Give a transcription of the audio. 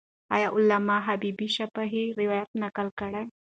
آیا علامه حبیبي شفاهي روایت نقل کړی؟